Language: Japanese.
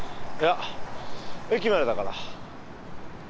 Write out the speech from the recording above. いや駅までだから。